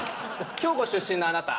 兵庫出身のあなた。